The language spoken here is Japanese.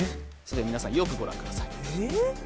それでは皆さんよくご覧ください。